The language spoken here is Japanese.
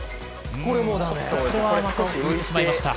これは少し浮いてしまいました。